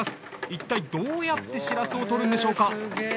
一体どうやってしらすを取るんでしょうか？